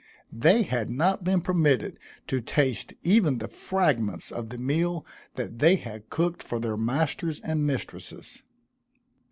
They had not been permitted to taste even the fragments of the meal that they had cooked for their masters and mistresses.